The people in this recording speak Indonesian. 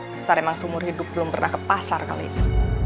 besar emang seumur hidup belum pernah ke pasar kali ini